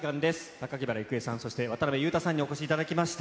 榊原郁恵さん、そして、渡辺裕太さんにお越しいただきました。